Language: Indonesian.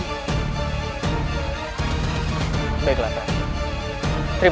ini berharap heute